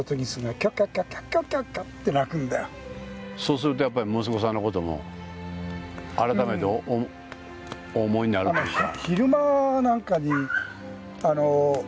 そうすると息子さんのことも改めてお思いになるというか。